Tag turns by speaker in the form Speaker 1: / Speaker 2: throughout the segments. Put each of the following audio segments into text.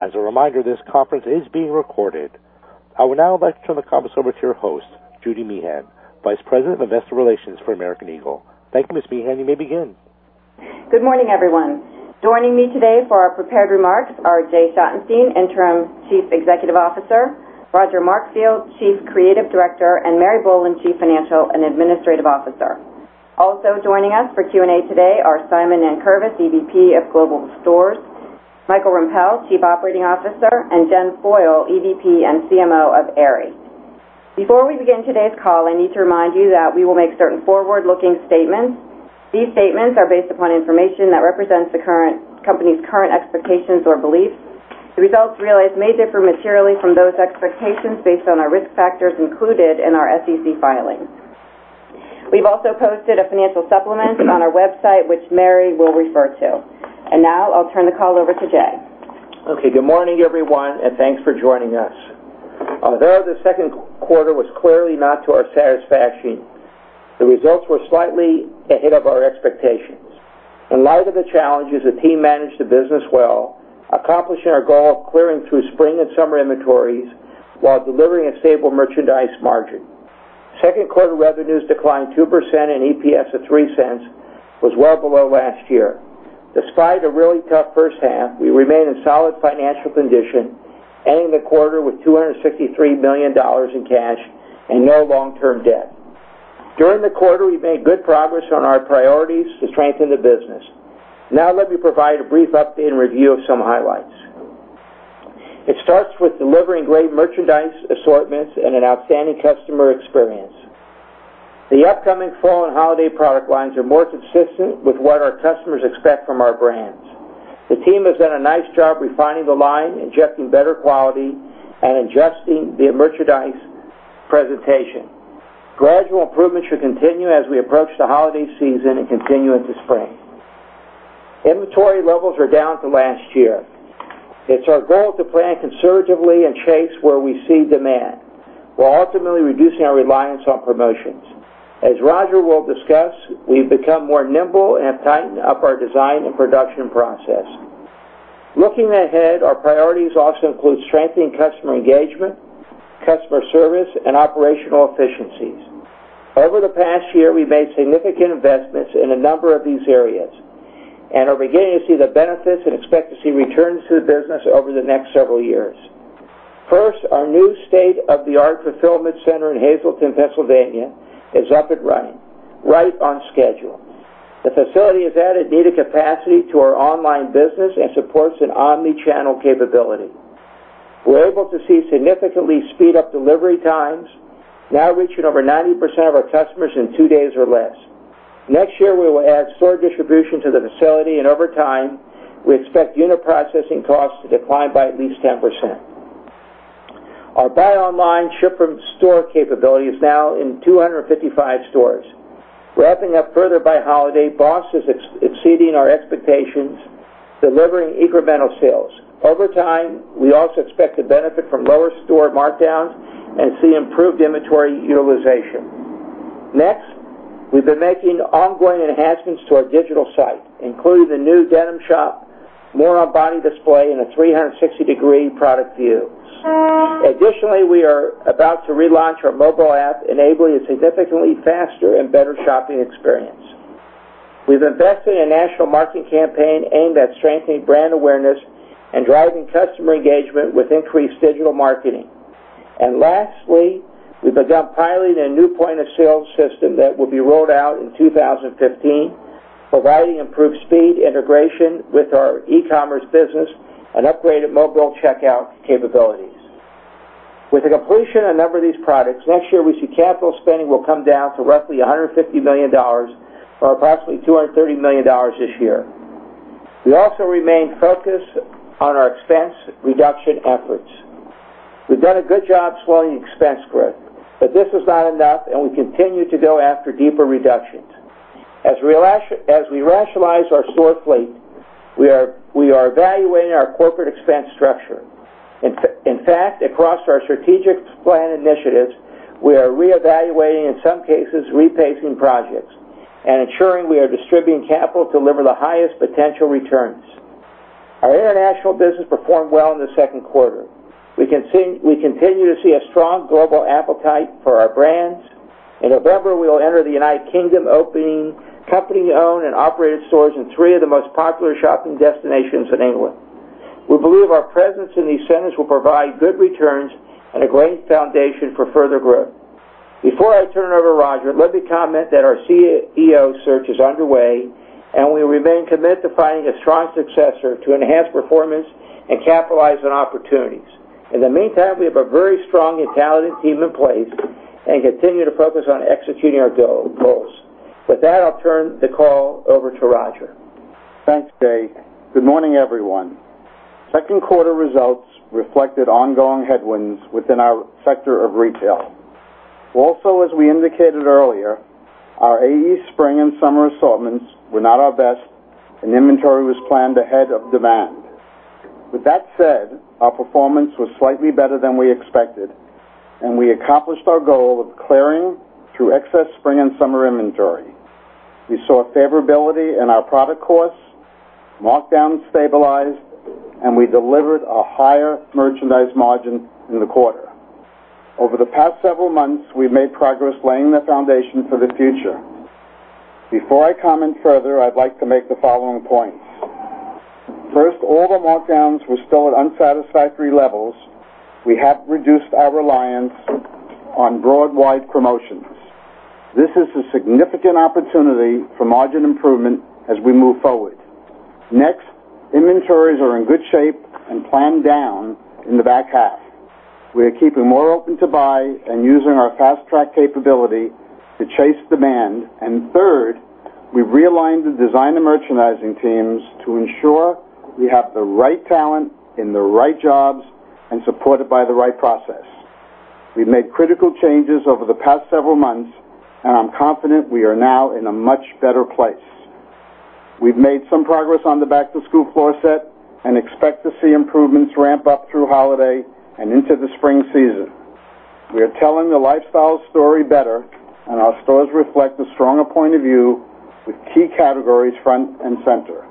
Speaker 1: As a reminder, this conference is being recorded. I would now like to turn the conference over to your host, Judy Meehan, Vice President of Investor Relations for American Eagle. Thank you, Ms. Meehan. You may begin.
Speaker 2: Good morning, everyone. Joining me today for our prepared remarks are Jay Schottenstein, Interim Chief Executive Officer, Roger Markfield, Chief Creative Director, and Mary Boland, Chief Financial and Administrative Officer. Also joining us for Q&A today are Simon Nankervis, EVP of Global Stores, Michael Rempell, Chief Operating Officer, and Jen Foyle, EVP and CMO of Aerie. Before we begin today's call, I need to remind you that we will make certain forward-looking statements. These statements are based upon information that represents the company's current expectations or beliefs. The results realized may differ materially from those expectations based on our risk factors included in our SEC filings. We've also posted a financial supplement on our website, which Mary will refer to. Now I'll turn the call over to Jay.
Speaker 3: Okay. Good morning, everyone, and thanks for joining us. Although the second quarter was clearly not to our satisfaction, the results were slightly ahead of our expectations. In light of the challenges, the team managed the business well, accomplishing our goal of clearing through spring and summer inventories while delivering a stable merchandise margin. Second quarter revenues declined 2% in EPS of $0.03, was well below last year. Despite a really tough first half, we remain in solid financial condition, ending the quarter with $263 million in cash and no long-term debt. During the quarter, we've made good progress on our priorities to strengthen the business. Now let me provide a brief update and review of some highlights. It starts with delivering great merchandise assortments and an outstanding customer experience. The upcoming fall and holiday product lines are more consistent with what our customers expect from our brands. The team has done a nice job refining the line, injecting better quality, and adjusting the merchandise presentation. Gradual improvements should continue as we approach the holiday season and continue into spring. Inventory levels are down from last year. It's our goal to plan conservatively and chase where we see demand, while ultimately reducing our reliance on promotions. As Roger will discuss, we've become more nimble and have tightened up our design and production process. Looking ahead, our priorities also include strengthening customer engagement, customer service, and operational efficiencies. Over the past year, we made significant investments in a number of these areas and are beginning to see the benefits and expect to see returns to the business over the next several years. First, our new state-of-the-art fulfillment center in Hazleton, Pennsylvania is up and running right on schedule. The facility has added needed capacity to our online business and supports an omni-channel capability. We're able to significantly speed up delivery times, now reaching over 90% of our customers in two days or less. Next year, we will add store distribution to the facility, and over time, we expect unit processing costs to decline by at least 10%. Our buy online, ship from store capability is now in 255 stores. Ramping up further by holiday, BOSS is exceeding our expectations, delivering incremental sales. Over time, we also expect to benefit from lower store markdowns and see improved inventory utilization. Next, we've been making ongoing enhancements to our digital site, including the new denim shop, more on body display, and a 360-degree product view. Additionally, we are about to relaunch our mobile app, enabling a significantly faster and better shopping experience. Lastly, we began piloting a new point-of-sale system that will be rolled out in 2015, providing improved speed integration with our e-commerce business and upgraded mobile checkout capabilities. With the completion of a number of these projects, next year we see capital spending will come down to roughly $150 million from approximately $230 million this year. We also remain focused on our expense reduction efforts. We've done a good job slowing expense growth, but this is not enough, and we continue to go after deeper reductions. As we rationalize our store fleet, we are evaluating our corporate expense structure. In fact, across our strategic plan initiatives, we are reevaluating, in some cases, repacing projects and ensuring we are distributing capital to deliver the highest potential returns. Our international business performed well in the second quarter. We continue to see a strong global appetite for our brands. In November, we will enter the United Kingdom, opening company-owned and operated stores in three of the most popular shopping destinations in England. We believe our presence in these centers will provide good returns and a great foundation for further growth. Before I turn it over to Roger, let me comment that our CEO search is underway, and we remain committed to finding a strong successor to enhance performance and capitalize on opportunities. In the meantime, we have a very strong and talented team in place and continue to focus on executing our goals. With that, I'll turn the call over to Roger.
Speaker 4: Thanks, Jay. Good morning, everyone. Second quarter results reflected ongoing headwinds within our sector of retail. Also, as we indicated earlier, our AE spring and summer assortments were not our best, and inventory was planned ahead of demand. With that said, our performance was slightly better than we expected, and we accomplished our goal of clearing through excess spring and summer inventory. We saw favorability in our product costs, markdowns stabilized, and we delivered a higher merchandise margin in the quarter. Over the past several months, we've made progress laying the foundation for the future. Before I comment further, I'd like to make the following points. First, although markdowns were still at unsatisfactory levels, we have reduced our reliance on broad-based promotions. This is a significant opportunity for margin improvement as we move forward. Next, inventories are in good shape and planned down in the back half. We are keeping more open to buy and using our fast-track capability to chase demand. Third, we've realigned the design and merchandising teams to ensure we have the right talent in the right jobs and supported by the right process. We've made critical changes over the past several months, and I'm confident we are now in a much better place. We've made some progress on the back-to-school floor set and expect to see improvements ramp up through holiday and into the spring season. We are telling the lifestyle story better, and our stores reflect a stronger point of view with key categories front and center.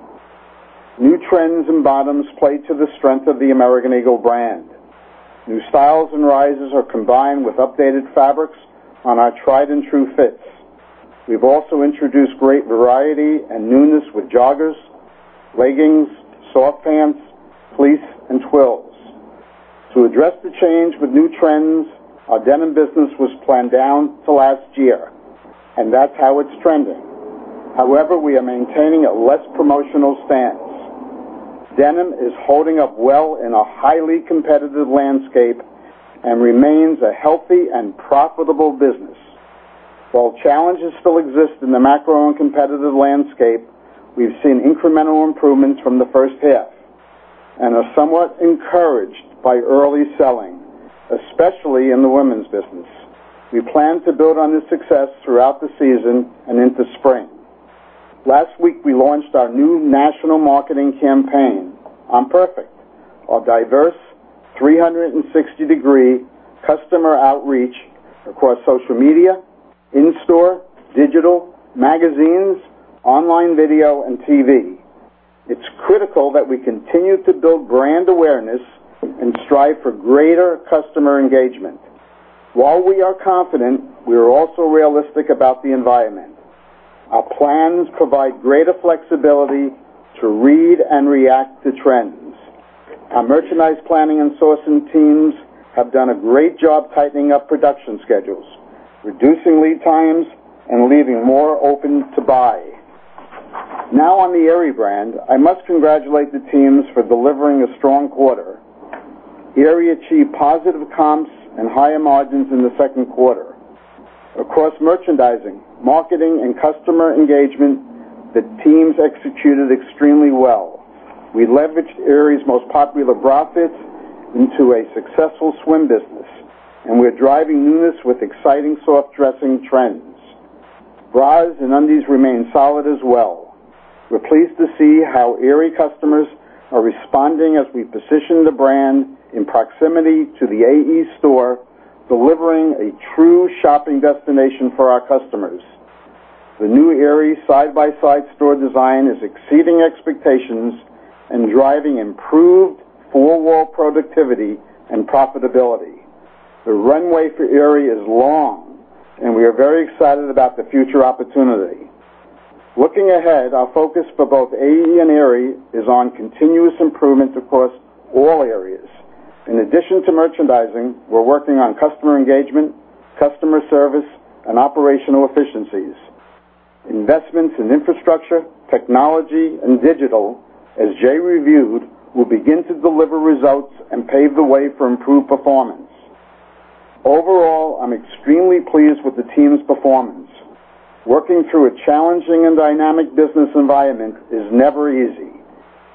Speaker 4: New trends in bottoms play to the strength of the American Eagle brand. New styles and rises are combined with updated fabrics on our tried-and-true fits. We've also introduced great variety and newness with joggers, leggings, soft pants, fleece, and twills. To address the change with new trends, our denim business was planned down to last year, and that's how it's trending. However, we are maintaining a less promotional stance. Denim is holding up well in a highly competitive landscape and remains a healthy and profitable business. While challenges still exist in the macro and competitive landscape, we've seen incremental improvements from the first half and are somewhat encouraged by early selling, especially in the women's business. We plan to build on this success throughout the season and into spring. Last week, we launched our new national marketing campaign, I'm Perfect, our diverse 360-degree customer outreach across social media, in-store, digital, magazines, online video, and TV. It's critical that we continue to build brand awareness and strive for greater customer engagement. While we are confident, we are also realistic about the environment. Our plans provide greater flexibility to read and react to trends. Our merchandise planning and sourcing teams have done a great job tightening up production schedules, reducing lead times, and leaving more open to buy. Now on the Aerie brand. I must congratulate the teams for delivering a strong quarter. Aerie achieved positive comps and higher margins in the second quarter. Across merchandising, marketing, and customer engagement, the teams executed extremely well. We leveraged Aerie's most popular bra fits into a successful swim business, and we're driving newness with exciting soft dressing trends. Bras and undies remain solid as well. We're pleased to see how Aerie customers are responding as we position the brand in proximity to the AE store, delivering a true shopping destination for our customers. The new Aerie side-by-side store design is exceeding expectations and driving improved four-wall productivity and profitability. The runway for Aerie is long, and we are very excited about the future opportunity. Looking ahead, our focus for both AE and Aerie is on continuous improvement across all areas. In addition to merchandising, we're working on customer engagement, customer service, and operational efficiencies. Investments in infrastructure, technology, and digital, as Jay reviewed, will begin to deliver results and pave the way for improved performance. Overall, I'm extremely pleased with the team's performance. Working through a challenging and dynamic business environment is never easy.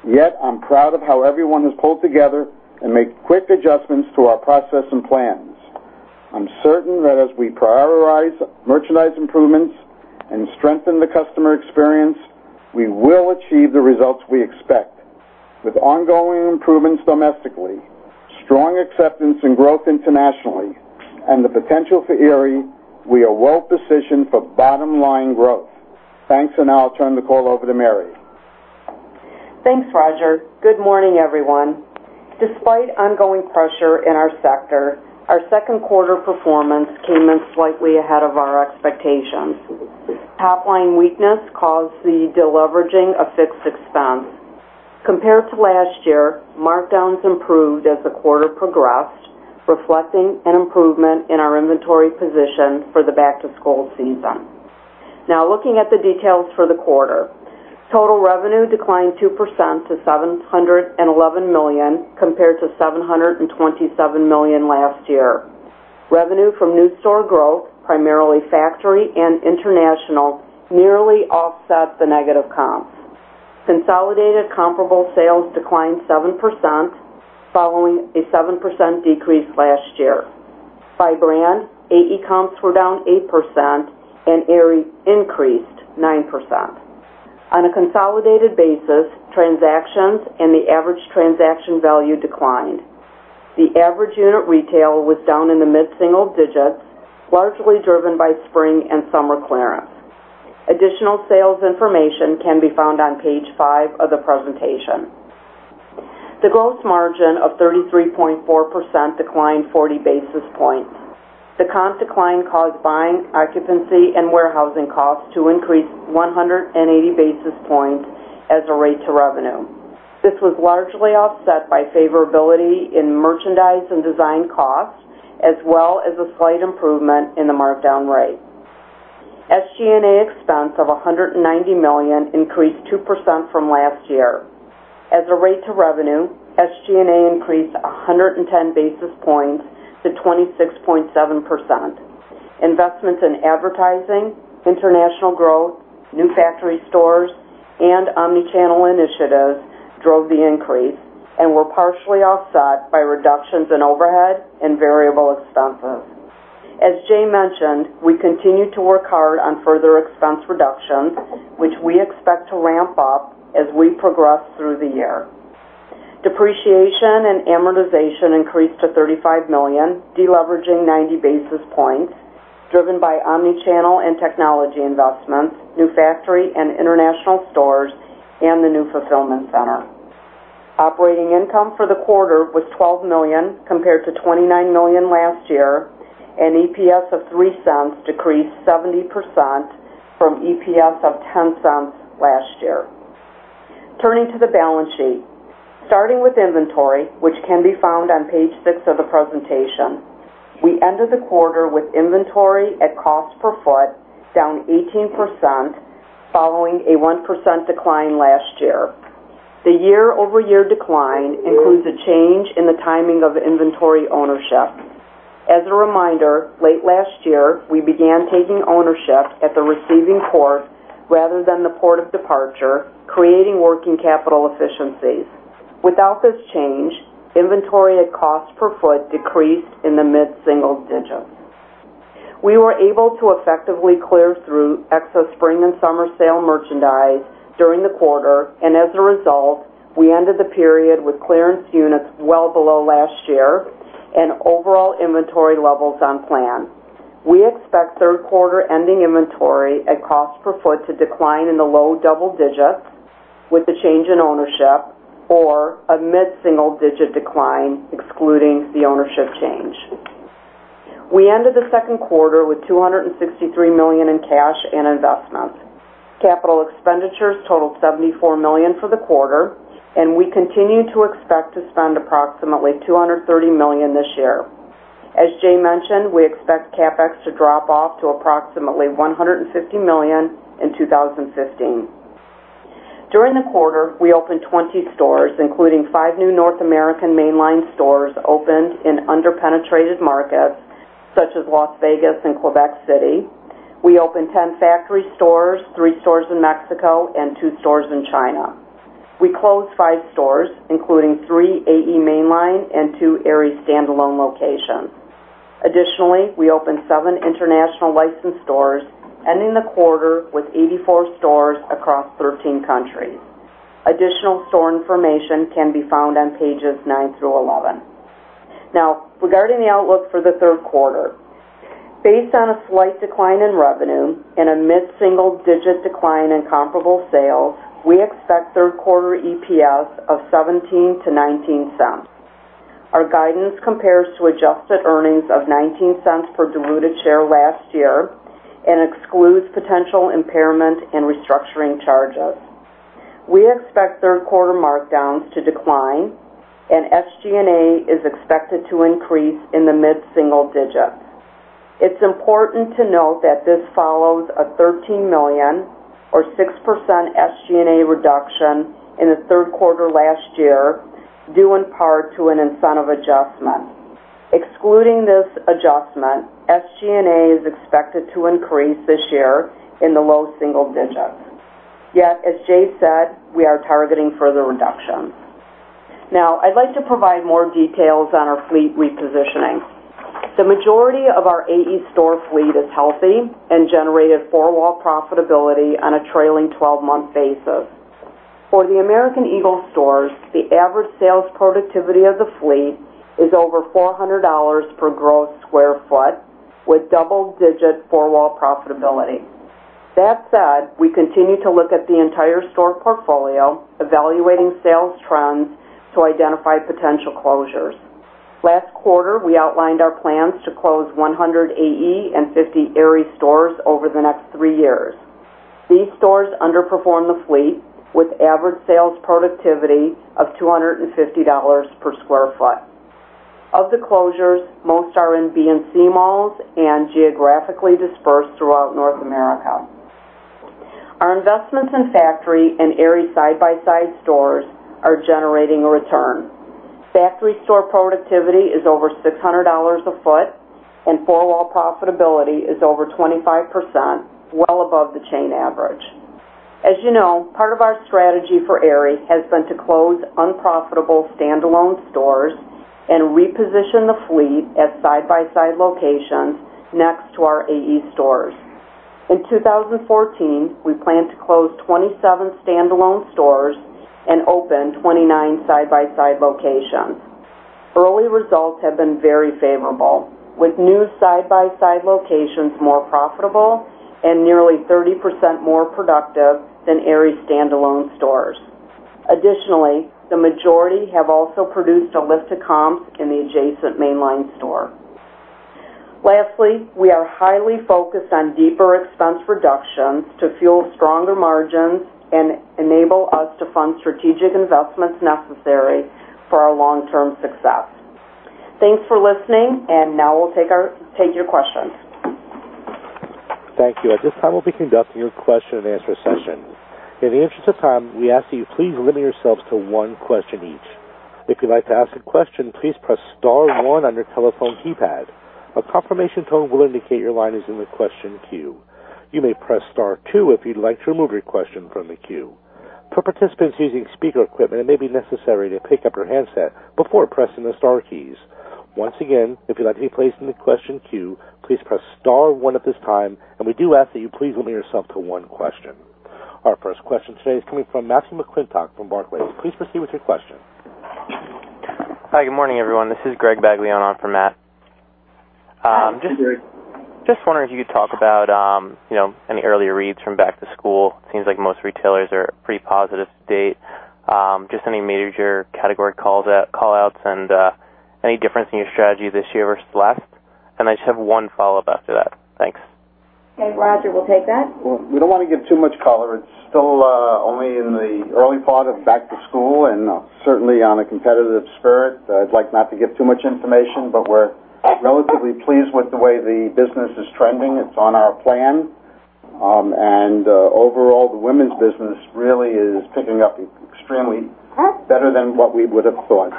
Speaker 4: Yet, I'm proud of how everyone has pulled together and made quick adjustments to our process and plans. I'm certain that as we prioritize merchandise improvements and strengthen the customer experience, we will achieve the results we expect. With ongoing improvements domestically, strong acceptance and growth internationally, and the potential for Aerie, we are well-positioned for bottom-line growth. Thanks. Now I'll turn the call over to Mary.
Speaker 5: Thanks, Roger. Good morning, everyone. Despite ongoing pressure in our sector, our second quarter performance came in slightly ahead of our expectations. Topline weakness caused the deleveraging of fixed expense. Compared to last year, markdowns improved as the quarter progressed, reflecting an improvement in our inventory position for the back-to-school season. Now looking at the details for the quarter. Total revenue declined 2% to $711 million, compared to $727 million last year. Revenue from new store growth, primarily factory and international, nearly offset the negative comps. Consolidated comparable sales declined 7%, following a 7% decrease last year. By brand, AE comps were down 8% and Aerie increased 9%. On a consolidated basis, transactions and the average transaction value declined. The average unit retail was down in the mid-single digits, largely driven by spring and summer clearance. Additional sales information can be found on page five of the presentation. The gross margin of 33.4% declined 40 basis points. The comp decline caused buying, occupancy, and warehousing costs to increase 180 basis points as a rate to revenue. This was largely offset by favorability in merchandise and design costs, as well as a slight improvement in the markdown rate. SG&A expense of $190 million increased 2% from last year. As a rate to revenue, SG&A increased 110 basis points to 26.7%. Investments in advertising, international growth, new factory stores, and omni-channel initiatives drove the increase and were partially offset by reductions in overhead and variable expenses. As Jay mentioned, we continue to work hard on further expense reductions, which we expect to ramp up as we progress through the year. Depreciation and amortization increased to $35 million, deleveraging 90 basis points, driven by omni-channel and technology investments, new factory and international stores, and the new fulfillment center. Operating income for the quarter was $12 million compared to $29 million last year, and EPS of $0.03 decreased 70% from EPS of $0.10 last year. Turning to the balance sheet. Starting with inventory, which can be found on page six of the presentation. We ended the quarter with inventory at cost per foot down 18%, following a 1% decline last year. The year-over-year decline includes a change in the timing of inventory ownership. As a reminder, late last year, we began taking ownership at the receiving port rather than the port of departure, creating working capital efficiencies. Without this change, inventory at cost per foot decreased in the mid-single digits. We were able to effectively clear through excess spring and summer sale merchandise during the quarter, and as a result, we ended the period with clearance units well below last year and overall inventory levels on plan. We expect third quarter ending inventory at cost per foot to decline in the low double digits with the change in ownership or a mid-single digit decline excluding the ownership change. We ended the second quarter with $263 million in cash and investments. Capital expenditures totaled $74 million for the quarter, and we continue to expect to spend approximately $230 million this year. As Jay mentioned, we expect CapEx to drop off to approximately $150 million in 2015. During the quarter, we opened 20 stores, including five new North American mainline stores opened in under-penetrated markets such as Las Vegas and Quebec City. We opened 10 factory stores, three stores in Mexico, and two stores in China. We closed five stores, including three AE mainline and two Aerie standalone locations. Additionally, we opened seven international licensed stores, ending the quarter with 84 stores across 13 countries. Additional store information can be found on pages nine through 11. Now, regarding the outlook for the third quarter. Based on a slight decline in revenue and a mid-single digit decline in comparable sales, we expect third quarter EPS of $0.17 to $0.19. Our guidance compares to adjusted earnings of $0.19 per diluted share last year and excludes potential impairment and restructuring charges. We expect third quarter markdowns to decline, and SG&A is expected to increase in the mid-single digits. It's important to note that this follows a $13 million or 6% SG&A reduction in the third quarter last year, due in part to an incentive adjustment. Excluding this adjustment, SG&A is expected to increase this year in the low single digits. Yet, as Jay said, we are targeting further reductions. Now, I'd like to provide more details on our fleet repositioning. The majority of our AE store fleet is healthy and generated four-wall profitability on a trailing 12-month basis. For the American Eagle stores, the average sales productivity of the fleet is over $400 per gross square foot, with double-digit four-wall profitability. That said, we continue to look at the entire store portfolio, evaluating sales trends to identify potential closures. Last quarter, we outlined our plans to close 100 AE and 50 Aerie stores over the next three years. These stores underperform the fleet, with average sales productivity of $250 per square foot. Of the closures, most are in B and C malls and geographically dispersed throughout North America. Our investments in factory and Aerie side-by-side stores are generating a return. Factory store productivity is over $600 a foot, and four-wall profitability is over 25%, well above the chain average. As you know, part of our strategy for Aerie has been to close unprofitable standalone stores. Reposition the fleet at side-by-side locations next to our AE stores. In 2014, we plan to close 27 standalone stores and open 29 side-by-side locations. Early results have been very favorable, with new side-by-side locations more profitable and nearly 30% more productive than Aerie standalone stores. Additionally, the majority have also produced a lift of comps in the adjacent mainline store. Lastly, we are highly focused on deeper expense reductions to fuel stronger margins and enable us to fund strategic investments necessary for our long-term success. Thanks for listening, and now we'll take your questions.
Speaker 1: Thank you. At this time, we'll be conducting a question and answer session. In the interest of time, we ask that you please limit yourselves to one question each. If you'd like to ask a question, please press *1 on your telephone keypad. A confirmation tone will indicate your line is in the question queue. You may press star two if you'd like to remove your question from the queue. For participants using speaker equipment, it may be necessary to pick up your handset before pressing the star keys. Once again, if you'd like to be placed in the question queue, please press *1 at this time, and we do ask that you please limit yourself to one question. Our first question today is coming from Matt McClintock, Analyst from Barclays. Please proceed with your question.
Speaker 6: Hi, good morning, everyone. This is Gregory Bagley on for Matt.
Speaker 4: Hi, Greg.
Speaker 6: Just wondering if you could talk about any early reads from back to school. Seems like most retailers are pretty positive to date. Just any major category callouts and any difference in your strategy this year versus last. I just have one follow-up after that. Thanks.
Speaker 2: Okay. Roger, we'll take that. We don't want to give too much color. It's still only in the early part of back to school and certainly on a competitive spirit. I'd like not to give too much information, but we're relatively pleased with the way the business is trending. It's on our plan. Overall, the women's business really is picking up extremely better than what we would've thought.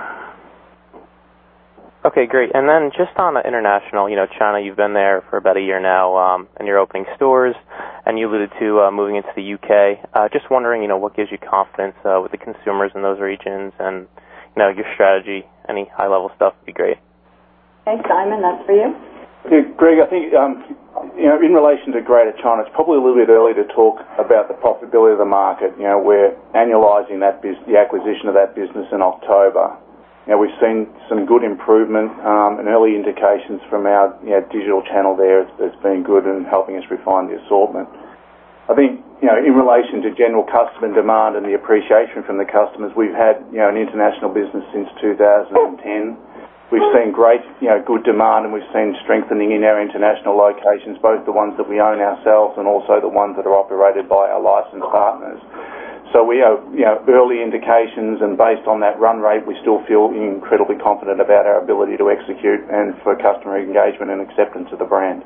Speaker 6: Okay, great. Just on the international, China, you've been there for about a year now, and you're opening stores, and you alluded to moving into the U.K. Just wondering what gives you confidence with the consumers in those regions and your strategy. Any high-level stuff would be great.
Speaker 2: Thanks. Simon, that's for you.
Speaker 7: Greg, I think in relation to Greater China, it's probably a little bit early to talk about the profitability of the market. We're annualizing the acquisition of that business in October. We've seen some good improvement and early indications from our digital channel there that's been good and helping us refine the assortment. I think in relation to general customer demand and the appreciation from the customers, we've had an international business since 2010. We've seen good demand, and we've seen strengthening in our international locations, both the ones that we own ourselves and also the ones that are operated by our licensed partners. We have early indications, and based on that run rate, we still feel incredibly confident about our ability to execute and for customer engagement and acceptance of the brand.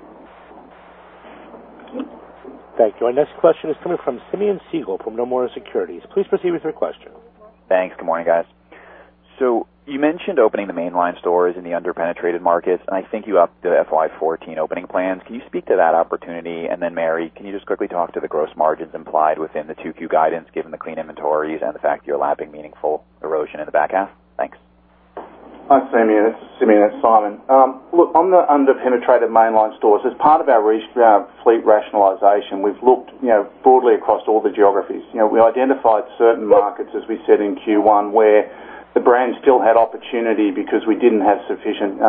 Speaker 1: Thank you. Our next question is coming from Simeon Siegel from Nomura Securities. Please proceed with your question.
Speaker 8: Thanks. Good morning, guys. You mentioned opening the mainline stores in the under-penetrated markets, and I think you upped the FY 2014 opening plan. Can you speak to that opportunity? Then, Mary, can you just quickly talk to the gross margins implied within the Q2 guidance, given the clean inventories and the fact you're lapsing meaningful erosion in the back half? Thanks.
Speaker 7: Hi, Simeon. It's Simon. Look, on the under-penetrated mainline stores, as part of our fleet rationalization, we've looked broadly across all the geographies. We identified certain markets, as we said in Q1, where the brand still had opportunity because we didn't have sufficient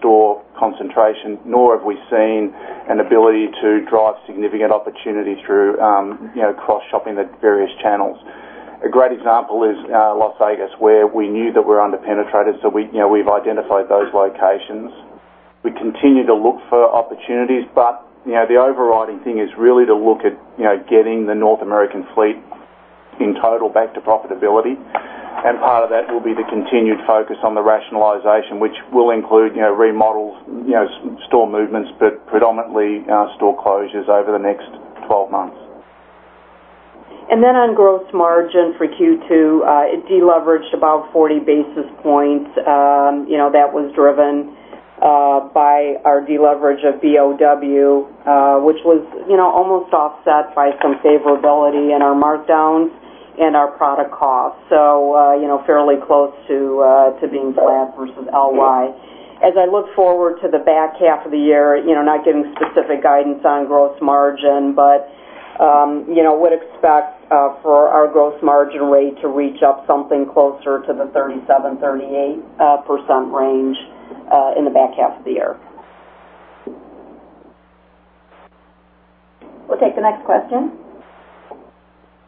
Speaker 7: store concentration, nor have we seen an ability to drive significant opportunity through cross-shopping the various channels. A great example is Las Vegas, where we knew that we're under-penetrated, so we've identified those locations. We continue to look for opportunities, but the overriding thing is really to look at getting the North American fleet in total back to profitability. Part of that will be the continued focus on the rationalization, which will include remodels, store movements, but predominantly store closures over the next 12 months.
Speaker 5: On gross margin for Q2, it deleveraged about 40 basis points. That was driven by our deleverage of BOW, which was almost offset by some favorability in our markdowns and our product costs. Fairly close to being flat versus LY. As I look forward to the back half of the year, not giving specific guidance on gross margin, but would expect for our gross margin rate to reach up something closer to the 37%-38% range in the back half of the year. We'll take the next question.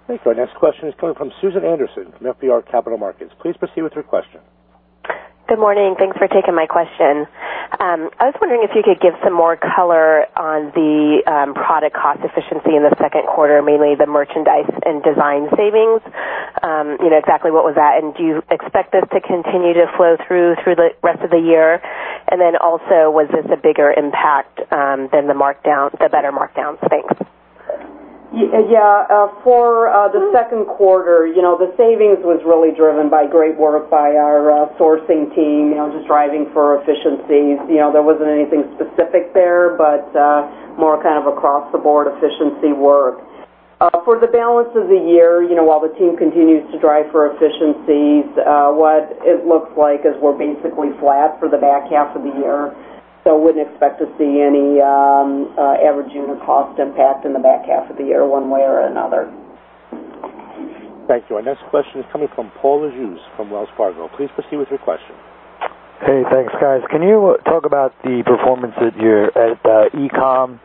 Speaker 1: Thank you. Our next question is coming from Susan Anderson from FBR Capital Markets. Please proceed with your question.
Speaker 9: Good morning. Thanks for taking my question. I was wondering if you could give some more color on the product cost efficiency in the second quarter, mainly the merchandise and design savings. Exactly what was that, and do you expect this to continue to flow through the rest of the year? Also, was this a bigger impact than the better markdowns? Thanks.
Speaker 5: For the second quarter, the savings was really driven by great work by our sourcing team, just driving for efficiencies. There wasn't anything specific there, but more kind of across-the-board efficiency work. For the balance of the year, while the team continues to drive for efficiencies, what it looks like is we're basically flat for the back half of the year. Wouldn't expect to see any average unit cost impact in the back half of the year, one way or another.
Speaker 1: Thank you. Our next question is coming from Paul Lejuez from Wells Fargo. Please proceed with your question.
Speaker 10: Hey, thanks, guys. Can you talk about the performance at ECom?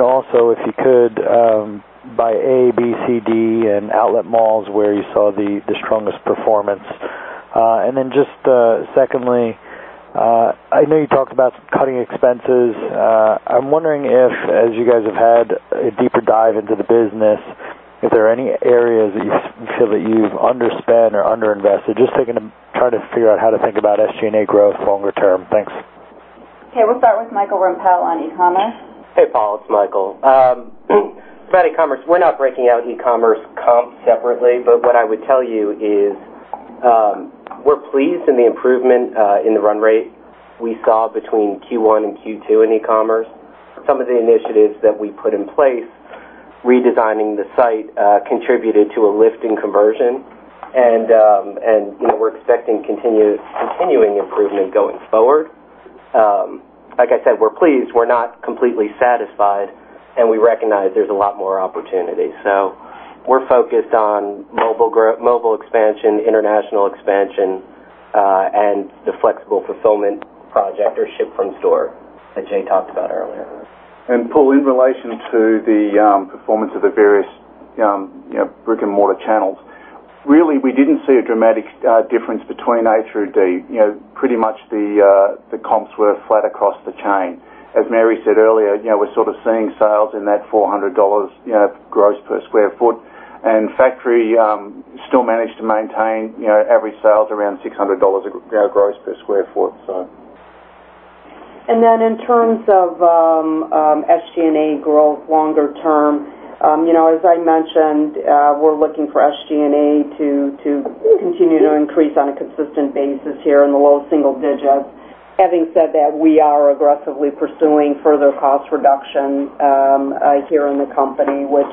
Speaker 10: Also, if you could, by A, B, C, D, and outlet malls, where you saw the strongest performance. Then just secondly, I know you talked about cutting expenses. I'm wondering if, as you guys have had a deeper dive into the business, is there any areas that you feel that you've underspent or underinvested? Just trying to figure out how to think about SG&A growth longer term. Thanks.
Speaker 2: Okay. We'll start with Michael Rempell on eCommerce.
Speaker 11: Hey, Paul, it's Michael. About eCommerce, we're not breaking out eCommerce comps separately. What I would tell you is, we're pleased in the improvement in the run rate we saw between Q1 and Q2 in eCommerce. Some of the initiatives that we put in place, redesigning the site, contributed to a lift in conversion. We're expecting continuing improvement going forward. Like I said, we're pleased. We're not completely satisfied, we recognize there's a lot more opportunity. We're focused on mobile expansion, international expansion, and the flexible fulfillment project or ship from store that Jay talked about earlier.
Speaker 7: Paul, in relation to the performance of the various brick and mortar channels, really, we didn't see a dramatic difference between A through D. Pretty much the comps were flat across the chain. As Mary said earlier, we're sort of seeing sales in that $400 gross per square foot. Factory still managed to maintain average sales around $600 gross per square foot.
Speaker 5: In terms of SG&A growth longer term, as I mentioned, we're looking for SG&A to continue to increase on a consistent basis here in the low single digits. Having said that, we are aggressively pursuing further cost reduction here in the company, which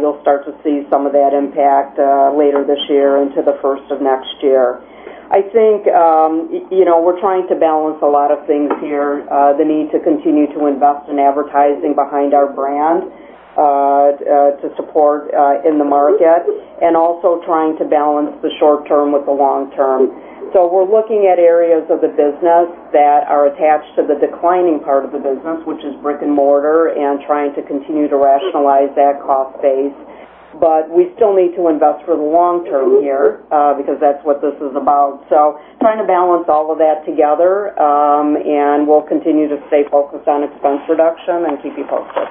Speaker 5: you'll start to see some of that impact later this year into the first of next year. I think we're trying to balance a lot of things here. The need to continue to invest in advertising behind our brand to support in the market, and also trying to balance the short term with the long term. We're looking at areas of the business that are attached to the declining part of the business, which is brick and mortar, and trying to continue to rationalize that cost base. We still need to invest for the long term here because that's what this is about. Trying to balance all of that together, and we'll continue to stay focused on expense reduction and keep you posted.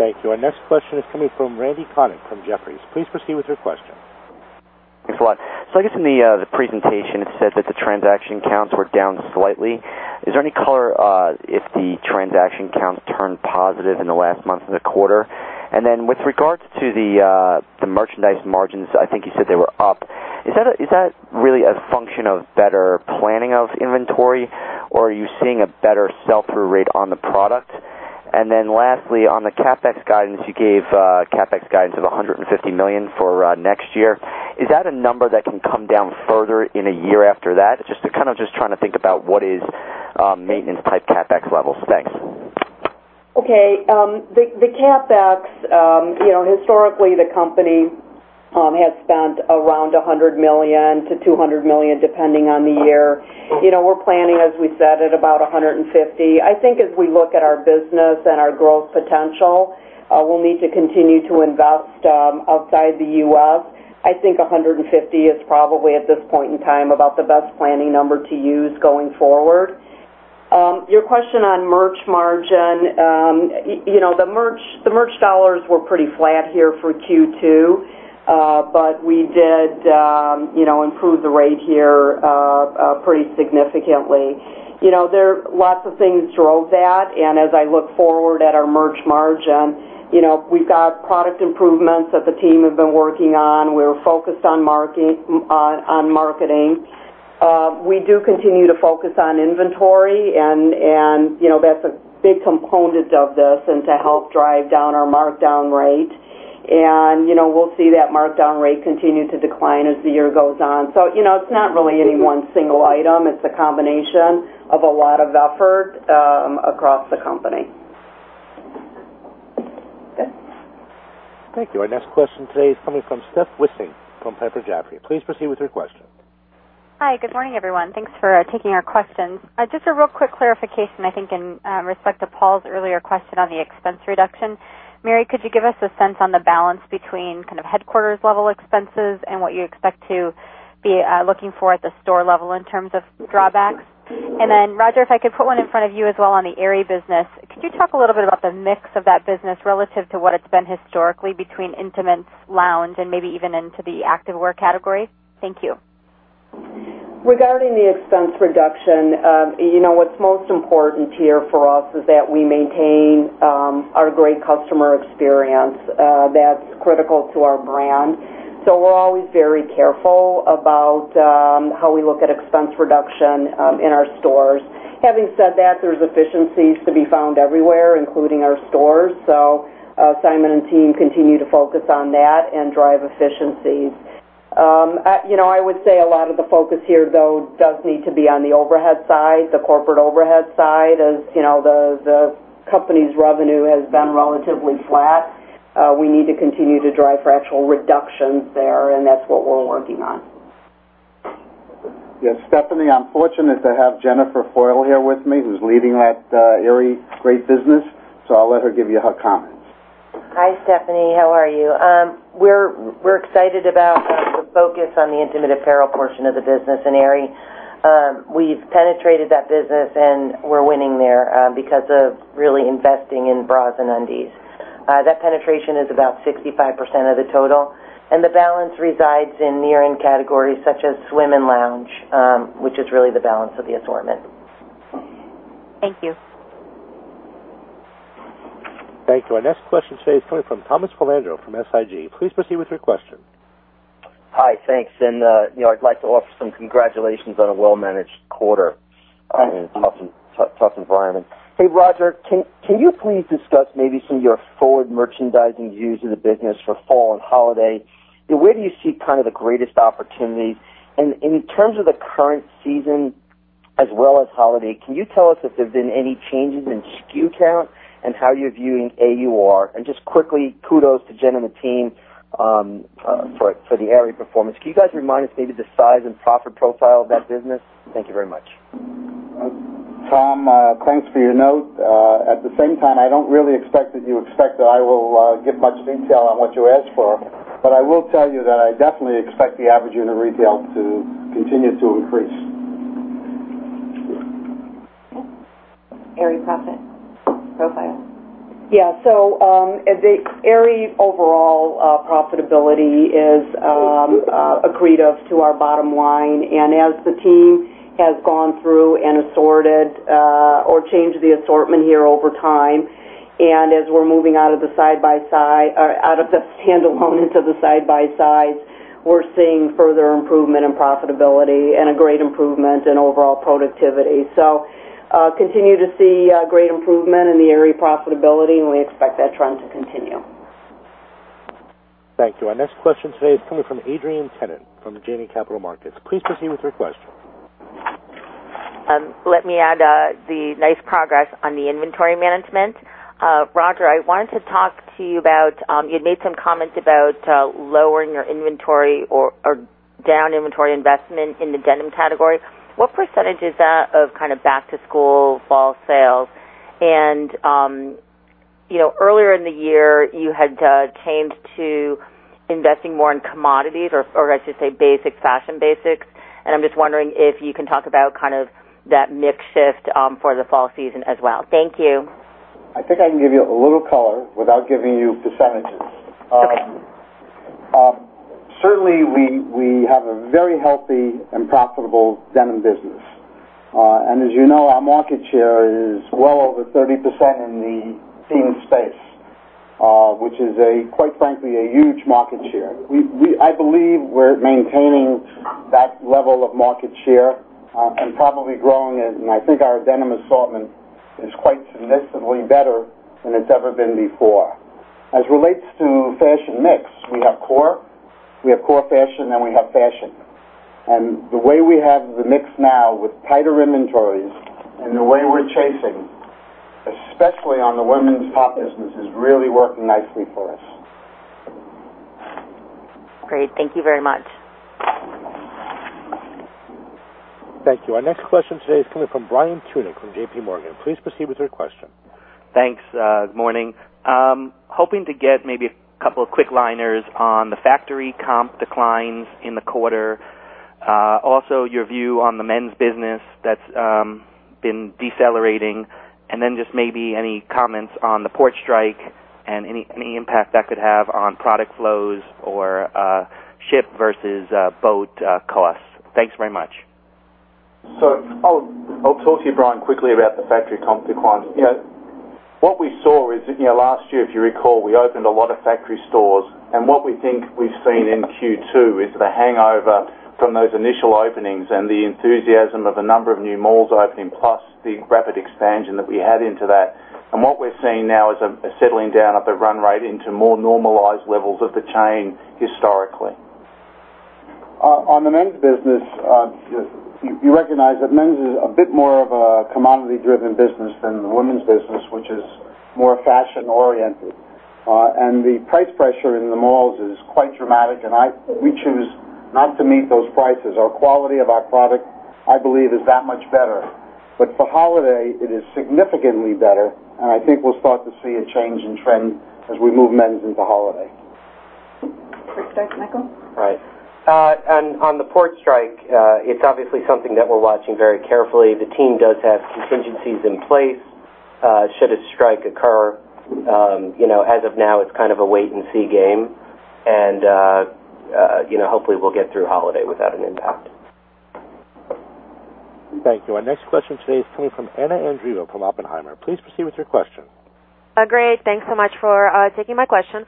Speaker 1: Thank you. Our next question is coming from Randal Konik from Jefferies. Please proceed with your question.
Speaker 12: Thanks a lot. I guess in the presentation, it said that the transaction counts were down slightly. Is there any color if the transaction counts turned positive in the last month in the quarter? With regard to the merchandise margins, I think you said they were up. Is that really a function of better planning of inventory, or are you seeing a better sell-through rate on the product? Lastly, on the CapEx guidance, you gave CapEx guidance of $150 million for next year. Is that a number that can come down further in a year after that? Just trying to think about what is maintenance type CapEx levels. Thanks.
Speaker 5: Okay. The CapEx, historically, the company has spent around $100 million-$200 million, depending on the year. We're planning, as we said, at about $150 million. I think as we look at our business and our growth potential, we'll need to continue to invest outside the U.S. I think $150 million is probably, at this point in time, about the best planning number to use going forward. Your question on merch margin. The merch dollars were pretty flat here for Q2. We did improve the rate here pretty significantly. Lots of things drove that. As I look forward at our merch margin, we've got product improvements that the team have been working on. We're focused on marketing. We do continue to focus on inventory, and that's a big component of this to help drive down our markdown rate. We'll see that markdown rate continue to decline as the year goes on. It's not really any one single item. It's a combination of a lot of effort across the company.
Speaker 1: Thank you. Our next question today is coming from Stephanie Wissink from Piper Jaffray. Please proceed with your question.
Speaker 13: Hi. Good morning, everyone. Thanks for taking our questions. Just a real quick clarification, I think in respect to Paul's earlier question on the expense reduction. Mary, could you give us a sense on the balance between kind of headquarters level expenses and what you expect to be looking for at the store level in terms of drawbacks? Roger, if I could put one in front of you as well on the Aerie business. Could you talk a little bit about the mix of that business relative to what it's been historically between intimate lounge and maybe even into the activewear category? Thank you.
Speaker 5: Regarding the expense reduction, what's most important here for us is that we maintain our great customer experience. That's critical to our brand. We're always very careful about how we look at expense reduction in our stores. Having said that, there's efficiencies to be found everywhere, including our stores. Simon and team continue to focus on that and drive efficiencies. I would say a lot of the focus here, though, does need to be on the overhead side, the corporate overhead side. As the company's revenue has been relatively flat, we need to continue to drive for actual reductions there, that's what we're working on.
Speaker 4: Yes, Stephanie, I'm fortunate to have Jennifer Foyle here with me, who's leading that Aerie great business, I'll let her give you her comments.
Speaker 14: Hi, Stephanie. How are you? We're excited about the focus on the intimate apparel portion of the business in Aerie. We've penetrated that business, we're winning there because of really investing in bras and undies. That penetration is about 65% of the total, the balance resides in mirroring categories such as swim and lounge, which is really the balance of the assortment.
Speaker 13: Thank you.
Speaker 1: Thank you. Our next question today is coming from Thomas Finucane from SIG. Please proceed with your question.
Speaker 15: Hi. Thanks. I'd like to offer some congratulations on a well-managed quarter in a tough environment. Hey, Roger, can you please discuss maybe some of your forward merchandising views in the business for fall and holiday, and where do you see the greatest opportunity? In terms of the current season as well as holiday, can you tell us if there have been any changes in SKU count and how you're viewing AUR? Just quickly, kudos to Jen and the team for the Aerie performance. Can you guys remind me the size and profit profile of that business? Thank you very much.
Speaker 4: Tom, thanks for your note. At the same time, I don't really expect that you expect that I will give much detail on what you asked for. I will tell you that I definitely expect the average unit retail to continue to increase.
Speaker 2: Aerie profit profile.
Speaker 5: Yeah. The Aerie overall profitability is accretive to our bottom line. As the team has gone through and assorted or changed the assortment here over time, as we're moving out of the standalone into the side by side, we're seeing further improvement in profitability and a great improvement in overall productivity. Continue to see great improvement in the Aerie profitability, and we expect that trend to continue.
Speaker 1: Thank you. Our next question today is coming from Adrienne Yih-Tennant from Janney Capital Markets. Please proceed with your question.
Speaker 16: Let me add the nice progress on the inventory management. Roger, I wanted to talk to you about, you made some comments about lowering your inventory or down inventory investment in the denim category. What percentage is that of kind of back-to-school fall sales? Earlier in the year, you had changed to investing more in commodities or I should say basic fashion basics. I am just wondering if you can talk about that mix shift for the fall season as well. Thank you.
Speaker 4: I think I can give you a little color without giving you percentages.
Speaker 16: Okay.
Speaker 4: Certainly, we have a very healthy and profitable denim business. As you know, our market share is well over 30% in the denim space, which is quite frankly, a huge market share. I believe we're maintaining that level of market share and probably growing it. I think our denim assortment is quite significantly better than it's ever been before. As relates to fashion mix, we have core fashion, and we have fashion. The way we have the mix now with tighter inventories and the way we're chasing, especially on the women's top business, is really working nicely for us.
Speaker 16: Great. Thank you very much.
Speaker 1: Thank you. Our next question today is coming from Brian Tunick from JPMorgan. Please proceed with your question.
Speaker 17: Thanks. Morning. Hoping to get maybe a couple of quick liners on the factory comp declines in the quarter. Also, your view on the men's business that's been decelerating. Just maybe any comments on the port strike and any impact that could have on product flows or ship versus boat costs. Thanks very much.
Speaker 7: I'll talk to you, Brian, quickly about the factory comp declines. What we saw is, last year, if you recall, we opened a lot of factory stores, and what we think we've seen in Q2 is the hangover from those initial openings and the enthusiasm of a number of new malls opening, plus the rapid expansion that we had into that. What we're seeing now is a settling down of the run rate into more normalized levels of the chain historically.
Speaker 4: On the men's business, you recognize that men's is a bit more of a commodity-driven business than the women's business, which is more fashion oriented. The price pressure in the malls is quite dramatic, and we choose not to meet those prices. Our quality of our product, I believe, is that much better. For holiday, it is significantly better, and I think we'll start to see a change in trend as we move men's into holiday.
Speaker 2: Port strike, Michael.
Speaker 11: Right. On the port strike, it's obviously something that we're watching very carefully. The team does have contingencies in place should a strike occur. As of now, it's kind of a wait-and-see game, and hopefully, we'll get through holiday without an impact.
Speaker 1: Thank you. Our next question today is coming from Anna Andreeva from Oppenheimer. Please proceed with your question.
Speaker 18: Great. Thanks so much for taking my question.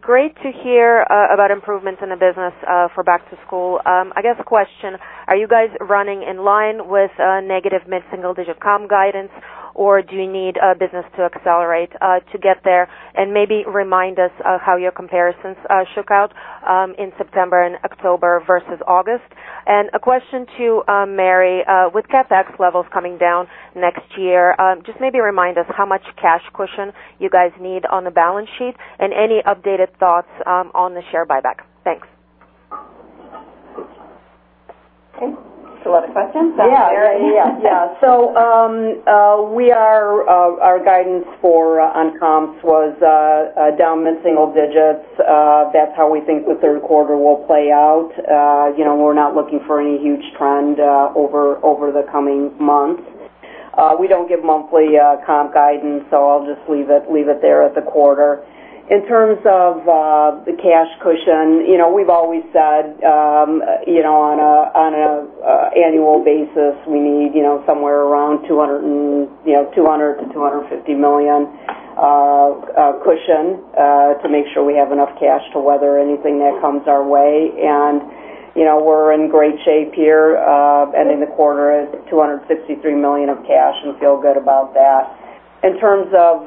Speaker 18: Great to hear about improvements in the business for back to school. I guess the question, are you guys running in line with negative mid-single-digit comp guidance, or do you need business to accelerate to get there? Maybe remind us of how your comparisons shook out in September and October versus August. A question to Mary. With CapEx levels coming down next year, just maybe remind us how much cash cushion you guys need on the balance sheet, and any updated thoughts on the share buyback. Thanks.
Speaker 2: Okay. That's a lot of questions.
Speaker 5: Yeah. Our guidance on comps was down mid-single digits. That's how we think the third quarter will play out. We're not looking for any huge trend over the coming months. We don't give monthly comp guidance, so I'll just leave it there at the quarter. In terms of the cash cushion, we've always said, on an annual basis, we need somewhere around $200 million to $250 million cushion to make sure we have enough cash to weather anything that comes our way. We're in great shape here, ending the quarter at $263 million of cash and feel good about that. In terms of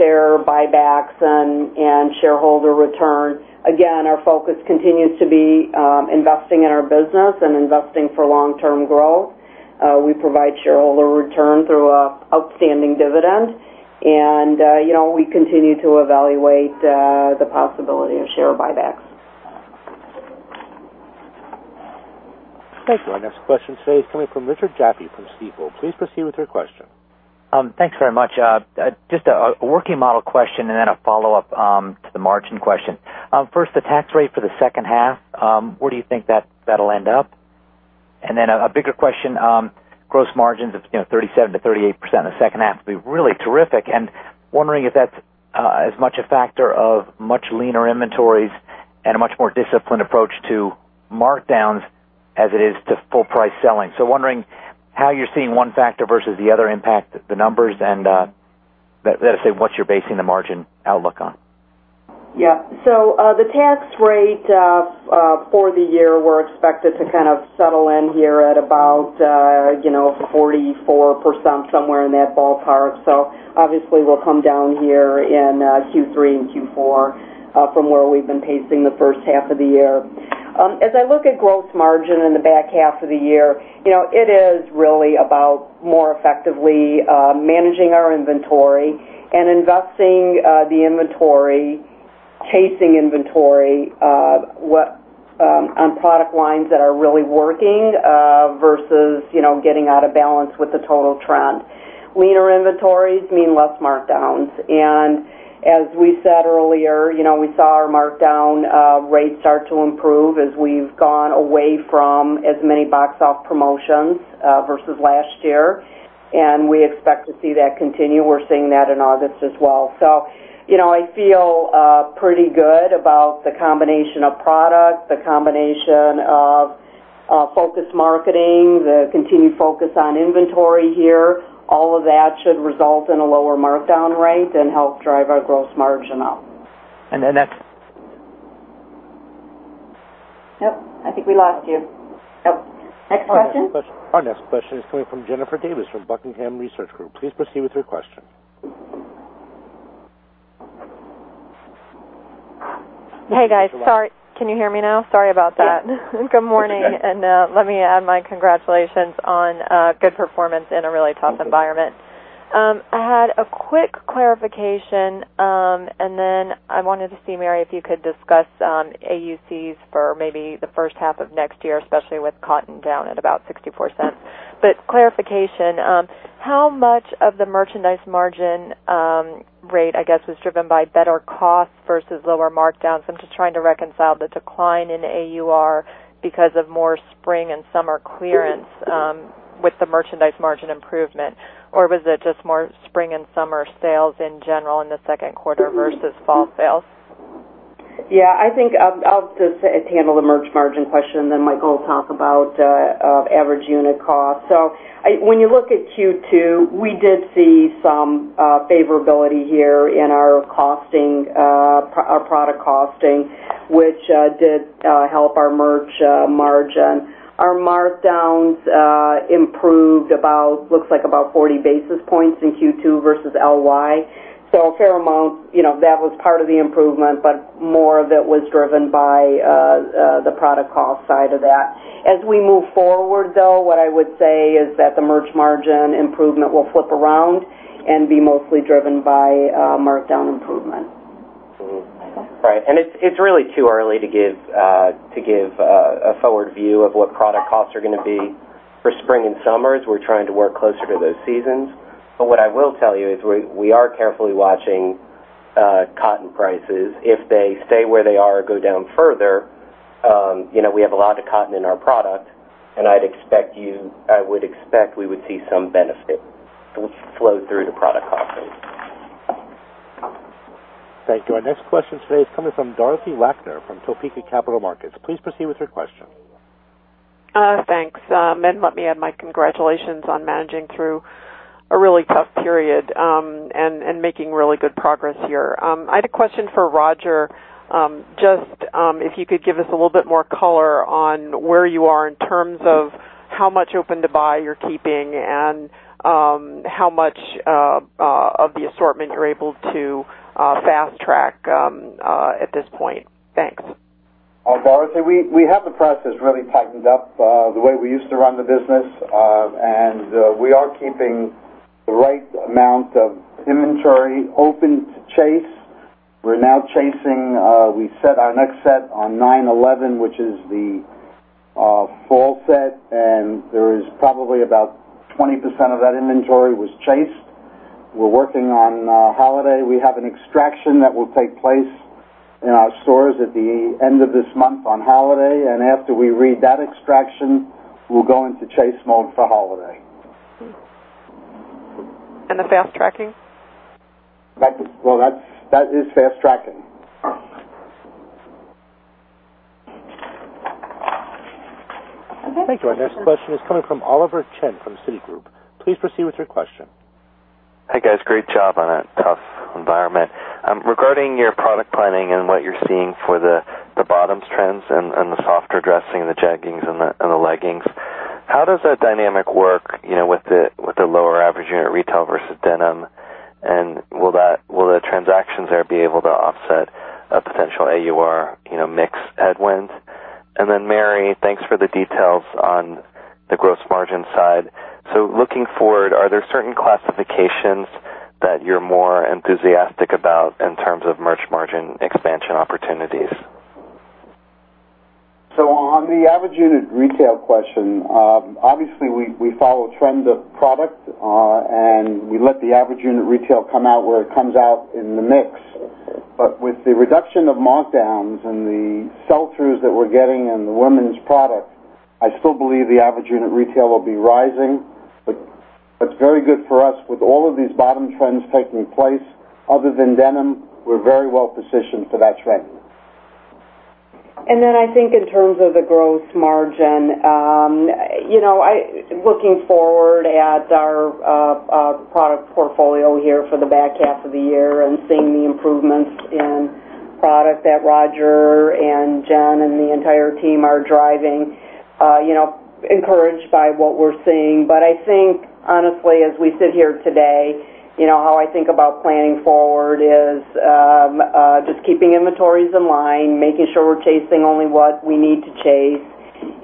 Speaker 5: share buybacks and shareholder return, again, our focus continues to be investing in our business and investing for long-term growth. We provide shareholder return through outstanding dividend, and we continue to evaluate the possibility of share buybacks.
Speaker 1: Thank you. Our next question today is coming from Richard Jaffe from Stifel. Please proceed with your question.
Speaker 19: Thanks very much. Just a working model question and then a follow-up to the margin question. First, the tax rate for the second half, where do you think that'll end up? Then a bigger question. Gross margins of 37% to 38% in the second half, really terrific, and wondering if that's as much a factor of much leaner inventories and a much more disciplined approach to markdowns as it is to full price selling. Wondering how you're seeing one factor versus the other impact the numbers, and that said, what you're basing the margin outlook on.
Speaker 5: Yeah. The tax rate for the year, we're expected to kind of settle in here at about 44%, somewhere in that ballpark. Obviously, we'll come down here in Q3 and Q4 from where we've been pacing the first half of the year. As I look at gross margin in the back half of the year, it is really about more effectively managing our inventory and investing the inventory, chasing inventory on product lines that are really working versus getting out of balance with the total trend. Leaner inventories mean less markdowns. As we said earlier, we saw our markdown rates start to improve as we've gone away from as many box off promotions versus last year, and we expect to see that continue. We're seeing that in August as well. I feel pretty good about the combination of product, the combination of focused marketing, the continued focus on inventory here. All of that should result in a lower markdown rate and help drive our gross margin up.
Speaker 19: The next-
Speaker 2: Nope. I think we lost you. Nope. Next question.
Speaker 1: Our next question is coming from Jennifer Davis from Buckingham Research Group. Please proceed with your question.
Speaker 20: Hey, guys. Can you hear me now? Sorry about that.
Speaker 2: Yeah.
Speaker 20: Good morning. Let me add my congratulations on good performance in a really tough environment. I had a quick clarification. Then I wanted to see, Mary, if you could discuss AUCs for maybe the first half of next year, especially with cotton down at about 64%. Clarification, how much of the merchandise margin rate, I guess, is driven by better cost versus lower markdowns? I'm just trying to reconcile the decline in AUR because of more spring and summer clearance with the merchandise margin improvement. Was it just more spring and summer sales in general in the second quarter versus fall sales?
Speaker 5: Yeah. I'll just handle the merch margin question. Then Michael will talk about average unit cost. When you look at Q2, we did see some favorability here in our product costing, which did help our merch margin. Our markdowns improved about, looks like about 40 basis points in Q2 versus LY. A fair amount. That was part of the improvement, but more of it was driven by the product cost side of that. As we move forward, though, what I would say is that the merch margin improvement will flip around and be mostly driven by markdown improvement.
Speaker 2: Michael.
Speaker 11: Right. It's really too early to give a forward view of what product costs are going to be for spring and summers. We're trying to work closer to those seasons. What I will tell you is we are carefully watching cotton prices. If they stay where they are or go down further, we have a lot of cotton in our product, and I would expect we would see some benefit flow through the product costing.
Speaker 1: Thank you. Our next question today is coming from Dorothy Lakner from Topeka Capital Markets. Please proceed with your question.
Speaker 21: Thanks. Let me add my congratulations on managing through a really tough period and making really good progress here. I had a question for Roger. Just if you could give us a little bit more color on where you are in terms of how much open-to-buy you're keeping and how much of the assortment you're able to fast track at this point. Thanks.
Speaker 4: Dorothy, we have the process really tightened up the way we used to run the business. We are keeping the right amount of inventory open to chase. We're now chasing, we set our next set on 9/11, which is the fall set, and there is probably about 20% of that inventory was chased. We're working on holiday. We have an extraction that will take place in our stores at the end of this month on holiday. After we read that extraction, we'll go into chase mode for holiday.
Speaker 21: The fast tracking?
Speaker 4: Well, that is fast tracking.
Speaker 1: Thank you. Our next question is coming from Oliver Chen from Cowen & Company. Please proceed with your question.
Speaker 22: Hi, guys. Great job on a tough environment. Regarding your product planning and what you're seeing for the bottoms trends and the softer dressing, the jeggings and the leggings, how does that dynamic work with the lower average unit retail versus denim? Will the transactions there be able to offset a potential AUR mix headwinds? Then Mary, thanks for the details on the gross margin side. Looking forward, are there certain classifications that you're more enthusiastic about in terms of merch margin expansion opportunities?
Speaker 4: On the average unit retail question, obviously, we follow trend of product, and we let the average unit retail come out where it comes out in the mix. With the reduction of markdowns and the sell-throughs that we're getting in the women's product, I still believe the average unit retail will be rising. What's very good for us with all of these bottom trends taking place, other than denim, we're very well positioned for that trend.
Speaker 5: I think in terms of the gross margin, looking forward at our product portfolio here for the back half of the year and seeing the improvements in product that Roger and Jen and the entire team are driving, encouraged by what we're seeing. I think, honestly, as we sit here today, how I think about planning forward is just keeping inventories in line, making sure we're chasing only what we need to chase,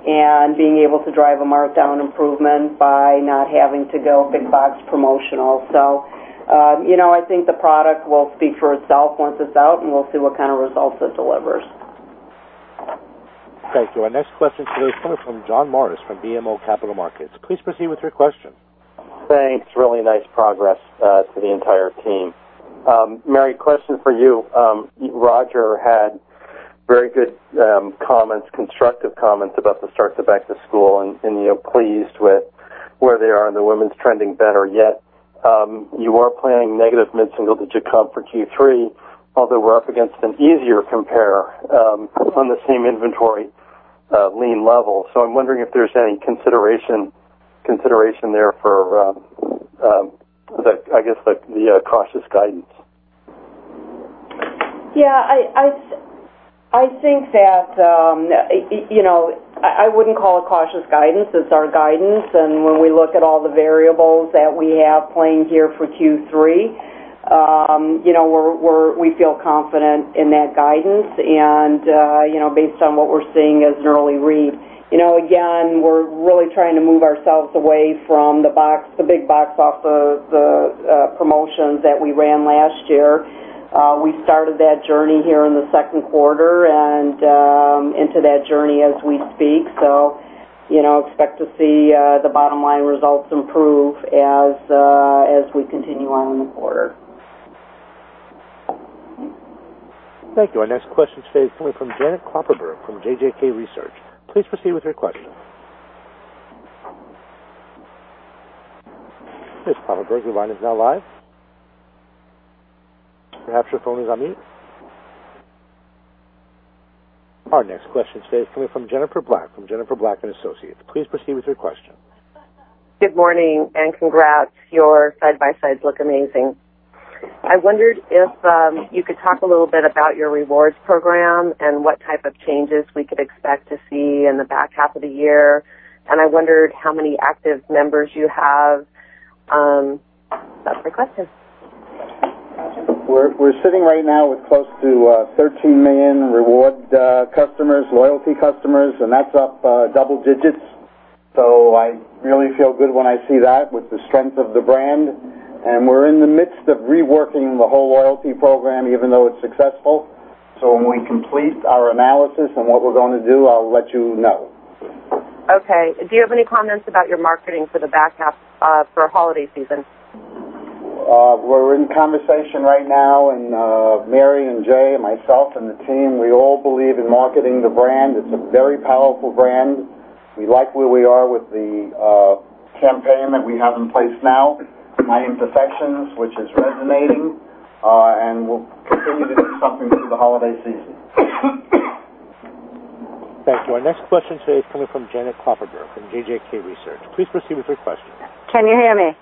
Speaker 5: and being able to drive a markdown improvement by not having to go big box promotional. I think the product will speak for itself once it's out, and we'll see what kind of results it delivers.
Speaker 1: Thank you. Our next question today is coming from John Morris from BMO Capital Markets. Please proceed with your question.
Speaker 23: Thanks. Really nice progress for the entire team. Mary, question for you. Roger had very good comments, constructive comments about the start to back to school and pleased with where they are and the women's trending better yet. You are planning negative mid-single-digit comp for Q3, although we're up against an easier compare on the same inventory lean level. I'm wondering if there's any consideration there for, I guess, the cautious guidance.
Speaker 5: I think that I wouldn't call it cautious guidance. It's our guidance. When we look at all the variables that we have playing here for Q3, we feel confident in that guidance, and based on what we're seeing as an early read. Again, we're really trying to move ourselves away from the big box off the promotions that we ran last year. We started that journey here in the second quarter and into that journey as we speak. Expect to see the bottom line results improve as we continue on in the quarter.
Speaker 1: Thank you. Our next question today is coming from Janet Kloppenburg from JJK Research. Please proceed with your question. Ms. Kloppenburg, your line is now live. Perhaps your phone is on mute. Our next question today is coming from Jennifer Black from Jennifer Black & Associates. Please proceed with your question.
Speaker 24: Good morning. Congrats. Your side by sides look amazing. I wondered if you could talk a little bit about your rewards program and what type of changes we could expect to see in the back half of the year. I wondered how many active members you have. That's my question.
Speaker 4: We're sitting right now with close to 13 million reward customers, loyalty customers, and that's up double digits. I really feel good when I see that with the strength of the brand. We're in the midst of reworking the whole loyalty program, even though it's successful. When we complete our analysis and what we're going to do, I'll let you know.
Speaker 24: Okay. Do you have any comments about your marketing for holiday season?
Speaker 4: We're in conversation right now, and Mary and Jay and myself and the team, we all believe in marketing the brand. It's a very powerful brand. We like where we are with the campaign that we have in place now, "#ImperfectlyMe," which is resonating, and we'll continue to do something through the holiday season.
Speaker 1: Thank you. Our next question today is coming from Janet Kloppenburg from JJK Research. Please proceed with your question.
Speaker 25: Can you hear me?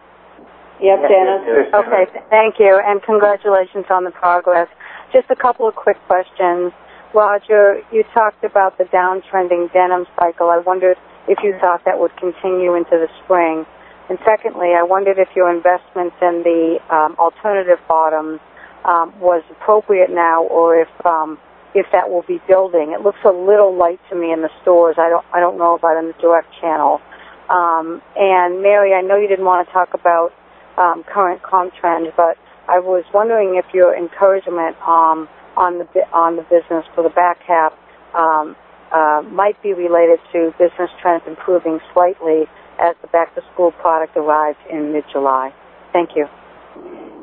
Speaker 1: Yes, Janet.
Speaker 4: Yes, Janet.
Speaker 25: Okay. Thank you, and congratulations on the progress. Just a couple of quick questions. Roger, you talked about the downtrending denim cycle. I wondered if you thought that would continue into the spring. Secondly, I wondered if your investments in the alternative bottom was appropriate now or if that will be building. It looks a little light to me in the stores. I don't know about in the direct channel. Mary, I know you didn't want to talk about current comp trends, but I was wondering if your encouragement on the business for the back half might be related to business trends improving slightly as the back-to-school product arrives in mid-July. Thank you.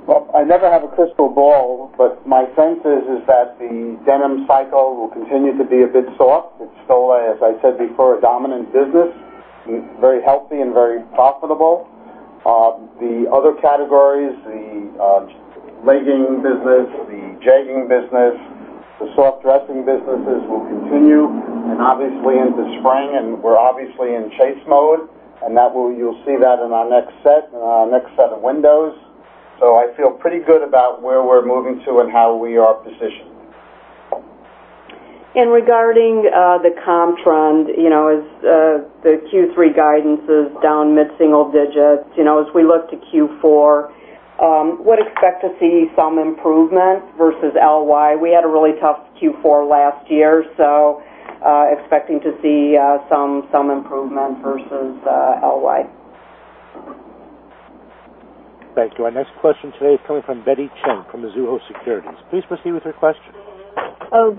Speaker 4: Well, I never have a crystal ball, but my sense is that the denim cycle will continue to be a bit soft. It's still, as I said before, a dominant business. Very healthy and very profitable. The other categories, the legging business, the jegging business, the soft dressing businesses will continue, obviously into spring, and we're obviously in chase mode, and you'll see that in our next set of windows. I feel pretty good about where we're moving to and how we are positioned.
Speaker 5: Regarding the comp trend, as the Q3 guidance is down mid-single digits, as we look to Q4, would expect to see some improvement versus LY. We had a really tough Q4 last year, expecting to see some improvement versus LY.
Speaker 1: Thank you. Our next question today is coming from Betty Chen from Mizuho Securities. Please proceed with your question.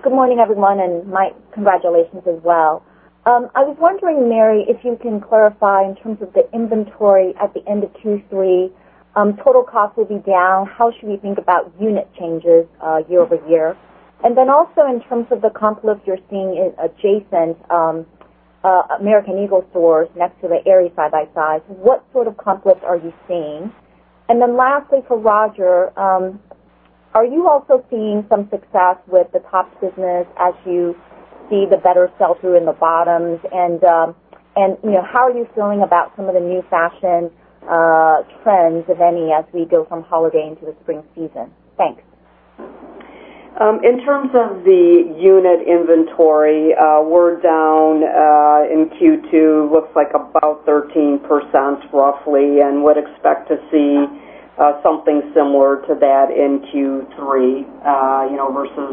Speaker 26: Good morning, everyone. My congratulations as well. I was wondering, Mary, if you can clarify in terms of the inventory at the end of Q3, total cost will be down. How should we think about unit changes year-over-year? Then also in terms of the comp lift you're seeing in adjacent American Eagle stores next to the Aerie side-by-side, what sort of comp lift are you seeing? Then lastly for Roger, are you also seeing some success with the top business as you see the better sell-through in the bottoms? How are you feeling about some of the new fashion trends, if any, as we go from holiday into the spring season? Thanks.
Speaker 5: In terms of the unit inventory, we're down in Q2, looks like about 13% roughly, would expect to see something similar to that in Q3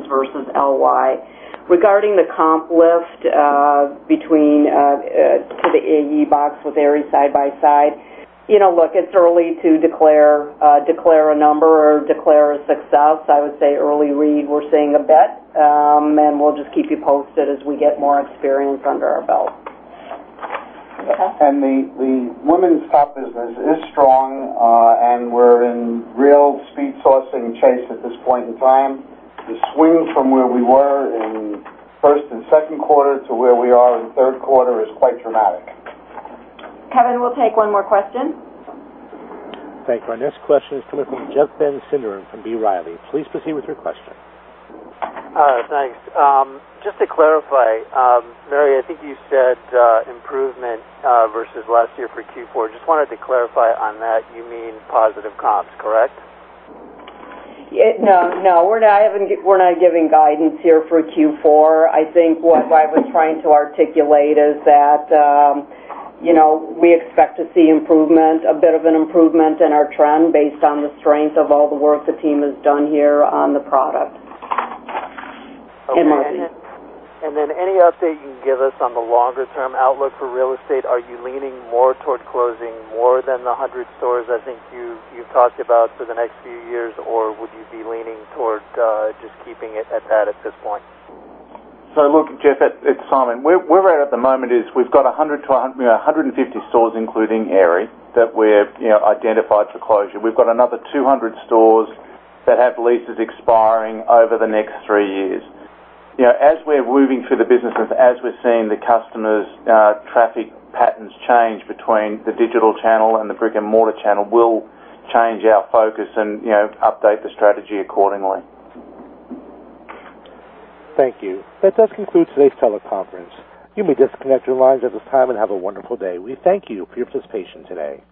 Speaker 5: versus LY. Regarding the comp lift to the AE box with Aerie side by side. Look, it's early to declare a number or declare a success. I would say early read, we're seeing a bit, we'll just keep you posted as we get more experience under our belt.
Speaker 26: Okay.
Speaker 4: The women's top business is strong, we're in real speed sourcing chase at this point in time. The swing from where we were in first and second quarter to where we are in the third quarter is quite dramatic.
Speaker 2: Kevin, we'll take one more question.
Speaker 1: Thank you. Our next question is coming from Jeff Van Sinderen from B. Riley. Please proceed with your question.
Speaker 27: Thanks. Just to clarify. Mary, I think you said improvement versus last year for Q4. Just wanted to clarify on that, you mean positive comps, correct?
Speaker 5: No. We're not giving guidance here for Q4. I think what I was trying to articulate is that we expect to see improvement, a bit of an improvement in our trend based on the strength of all the work the team has done here on the product. In my view.
Speaker 27: Any update you can give us on the longer term outlook for real estate? Are you leaning more toward closing more than the 100 stores I think you've talked about for the next few years? Or would you be leaning toward just keeping it at that at this point?
Speaker 7: Look, Jeff, it's Simon. Where we're at at the moment is we've got 150 stores, including Aerie, that we've identified for closure. We've got another 200 stores that have leases expiring over the next three years. As we're moving through the business, as we're seeing the customers' traffic patterns change between the digital channel and the brick and mortar channel, we'll change our focus and update the strategy accordingly.
Speaker 1: Thank you. That concludes today's teleconference. You may disconnect your lines at this time and have a wonderful day. We thank you for your participation today.